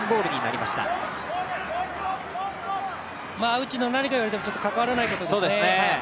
内野、何か言われても、関わらないことですね。